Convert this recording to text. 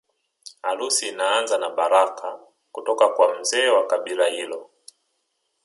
Harusi inaanza na baraka kutoka kwa mzee wa kabila hilo